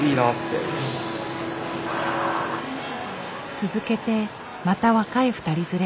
続けてまた若い２人連れ。